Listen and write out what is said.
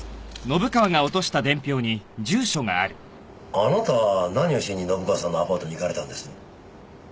あなたは何をしに信川さんのアパートに行かれたんです？